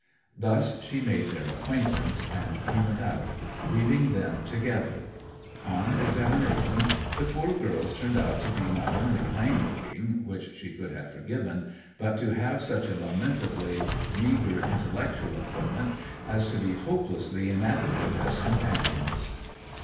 Thus she made their acquaintance, and he went out, leaving them together. On examination the poor girls turned out to be not only plain looking, which she could have forgiven, but to have such a lamentably meagre intellectual equipment as to be hopelessly inadequate as companions.